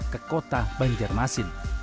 ke kota banjarmasin